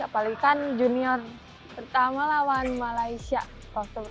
apalagi kan junior pertama lawan malaysia waktu pertama main